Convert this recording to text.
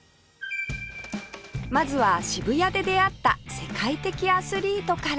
まずは渋谷で出会った世界的アスリートから